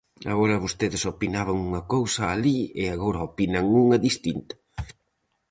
Agora vostedes opinaban unha cousa alí e agora opinan unha distinta.